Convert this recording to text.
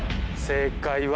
正解は。